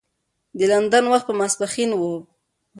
د لندن وخت په ماپښین و.